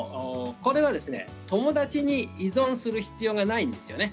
これは友達に依存する必要がないんですね。